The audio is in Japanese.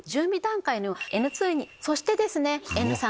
そしてですねＮ３